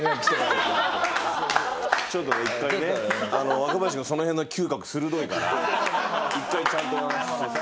若林君その辺の嗅覚鋭いから１回ちゃんとお話ししてさ。